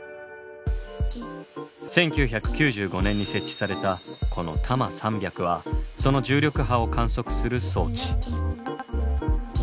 １９９５年に設置されたこのＴＡＭＡ３００はその重力波を観測する装置。